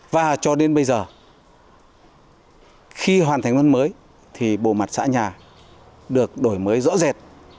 và cho đến bây giờ khi hoàn thành nông mới thì bồ mặt xã nhà được đổi mới rõ rệt